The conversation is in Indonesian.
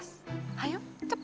tunggu tunggu tunggu